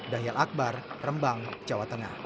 dahil akbar rembang jawa tengah